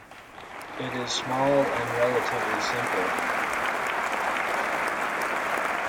It is small and relatively simple.